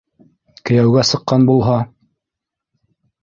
- Кейәүгә сыҡҡан булһа?